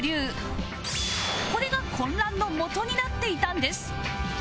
これが混乱のもとになっていたんです